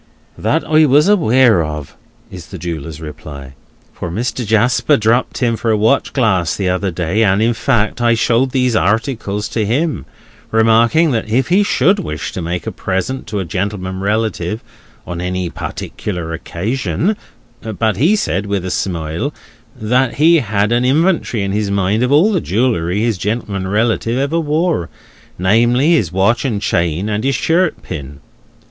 "That I was aware of," is the jeweller's reply, "for Mr. Jasper dropped in for a watch glass the other day, and, in fact, I showed these articles to him, remarking that if he should wish to make a present to a gentleman relative, on any particular occasion—But he said with a smile that he had an inventory in his mind of all the jewellery his gentleman relative ever wore; namely, his watch and chain, and his shirt pin."